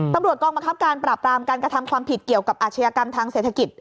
กองบังคับการปราบรามการกระทำความผิดเกี่ยวกับอาชญากรรมทางเศรษฐกิจ